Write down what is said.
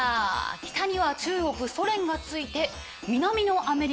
北には中国ソ連がついて南のアメリカ空爆開始。